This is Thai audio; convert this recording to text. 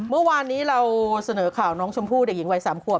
เมื่อวานนี้เราเสนอข่าวน้องชมพู่เด็กหญิงวัย๓ขวบ